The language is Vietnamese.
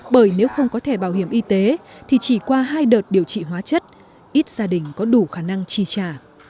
bởi nếu không có thẻ bảo hiểm y tế thì chỉ qua hai đợt điều trị hóa chất ít gia đình có đủ khả năng chi trả